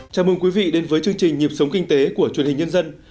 chào mừng quý vị đến với chương trình nhịp sống kinh tế của truyền hình nhân dân